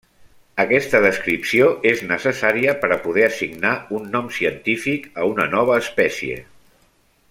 Aquesta descripció és necessària per a poder assignar un nom científic a una nova espècie.